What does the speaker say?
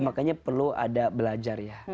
makanya perlu ada belajar ya